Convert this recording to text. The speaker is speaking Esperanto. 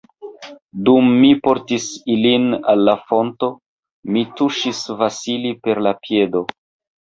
Dum mi portis ilin al la fonto, mi tuŝis Vasili per la piedo.